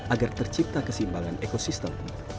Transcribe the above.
agar tercipta kesimbangan ekosistem